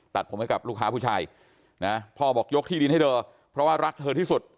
ตัดผมให้กับลูกค้าผู้ชายนะพ่อบอกยกที่ดินให้เธอเพราะว่ารักเธอที่สุด